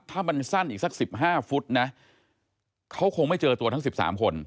ถ้ามันสั้นอีกสัก๑๕ฟุตนะเขาคงไม่เจอตัวทั้ง๑๓คน